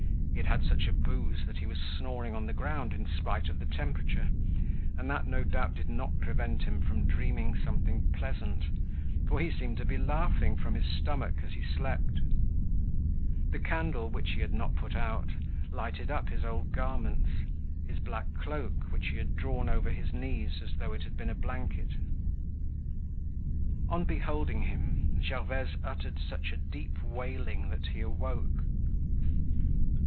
He had had such a booze that he was snoring on the ground in spite of the temperature, and that no doubt did not prevent him from dreaming something pleasant, for he seemed to be laughing from his stomach as he slept. The candle, which he had not put out, lighted up his old garments, his black cloak, which he had drawn over his knees as though it had been a blanket. On beholding him Gervaise uttered such a deep wailing that he awoke.